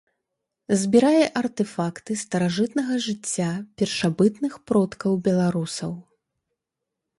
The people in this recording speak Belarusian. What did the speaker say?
Збірае артэфакты старажытнага жыцця першабытных продкаў беларусаў.